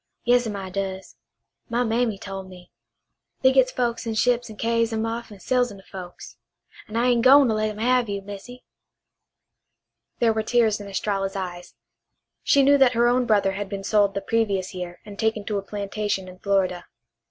Yas'm, I does. My mammy tole me. They gits folks in ships and carries 'em off an' sells 'em to folks. An' I ain' gwine to let 'em have you, Missy." There were tears in Estralla's eyes. She knew that her own brother had been sold the previous year and taken to a plantation in Florida.